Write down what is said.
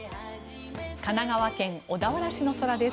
神奈川県小田原市の空です。